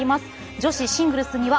女子シングルスには